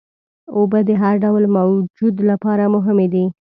اوبه د هر ډول موجود لپاره مهمې دي.